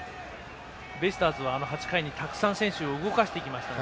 ベイスターズは８回にたくさん選手を動かしてきましたが